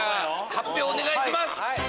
発表お願いします！